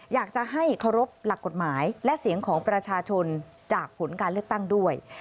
อยากจะให้เคารพหลักกฎหมายและเสียงของประชาชนจากผลการเลือกตั้งด้วย